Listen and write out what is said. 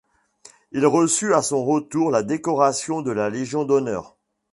Il reçut à son retour la décoration de la Légion d'honneur.